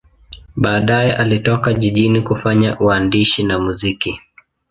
Baadaye alitoka jijini kufanya uandishi na muziki.